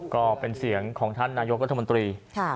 ก็เป็นเสียงของท่านนายกรัฐมนตรี